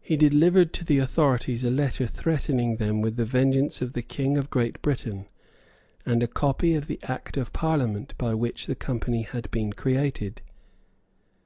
He delivered to the authorities a letter threatening them with the vengeance of the King of Great Britain, and a copy of the Act of Parliament by which the Company had been created.